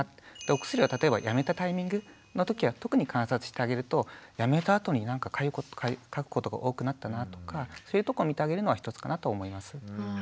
お薬を例えばやめたタイミングの時は特に観察してあげるとやめたあとになんかかくことが多くなったなとかそういうとこ見てあげるのは一つかなと思います。